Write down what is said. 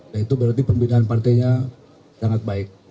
dan itu berarti pembinaan partainya sangat baik